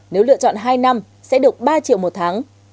nếu lựa chọn hai năm sẽ được ba triệu một tháng